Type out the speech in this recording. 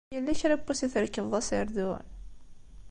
Yella kra n wass i trekbeḍ aserdun?